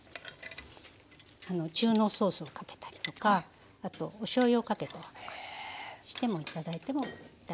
中濃ソースをかけたりとかあとおしょうゆをかけたりとかしても頂いても大丈夫です。